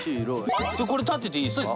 これ立てていいですか？